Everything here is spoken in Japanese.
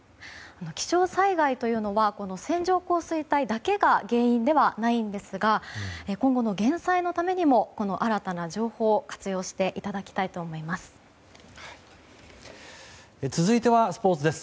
気象災害というのは線状降水帯だけが原因ではないんですが今後の減災のためにも新たな情報を活用していただきたいと思います。